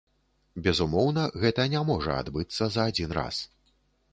Безумоўна, гэта не можа адбыцца за адзін раз.